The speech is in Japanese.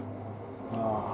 ああ。